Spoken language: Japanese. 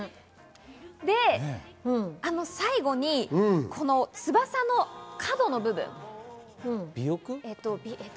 最後に翼の角の部分。